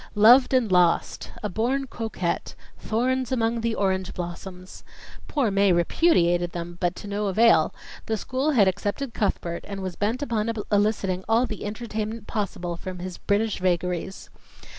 "Loved and Lost," "A Born Coquette," "Thorns among the Orange Blossoms." Poor Mae repudiated them, but to no avail; the school had accepted Cuthbert and was bent upon eliciting all the entertainment possible from his British vagaries.